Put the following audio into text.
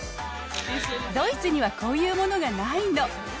ドイツにはこういうものがないの。